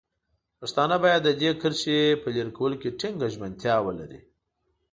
پښتانه باید د دې کرښې په لرې کولو کې ټینګه ژمنتیا ولري.